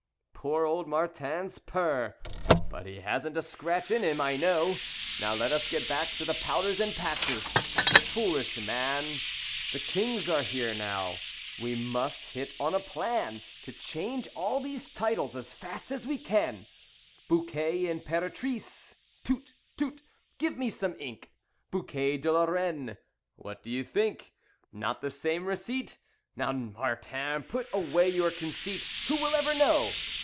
"Poor old Martin's purr! But he hasn't a scratch in him, I know. Now let us get back to the powders and patches. Foolish man, The Kings are here now. We must hit on a plan To change all these titles as fast as we can. 'Bouquet Imperatrice'. Tut! Tut! Give me some ink 'Bouquet de la Reine', what do you think? Not the same receipt? Now, Martin, put away your conceit. Who will ever know?